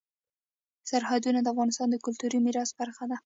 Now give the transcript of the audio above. سرحدونه د افغانستان د کلتوري میراث برخه ده.